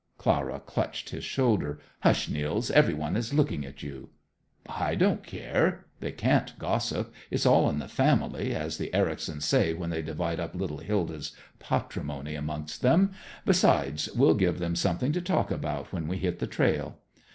_" Clara clutched his shoulder. "Hush, Nils; every one is looking at you." "I don't care. They can't gossip. It's all in the family, as the Ericsons say when they divide up little Hilda's patrimony amongst them. Besides, we'll give them something to talk about when we hit the trail.